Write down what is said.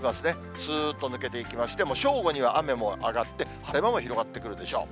すーっと抜けていきまして、正午には雨も上がって、晴れ間も広がってくるでしょう。